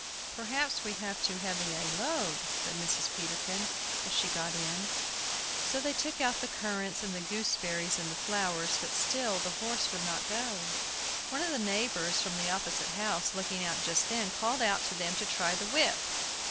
"Perhaps we have too heavy a load," said Mrs. Peterkin, as she got in. So they took out the currants and the gooseberries and the flowers, but still the horse would not go. One of the neighbors, from the opposite house, looking out just then, called out to them to try the whip.